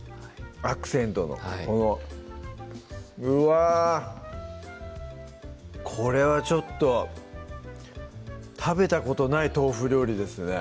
アクセントのこのうわこれはちょっと食べたことない豆腐料理ですね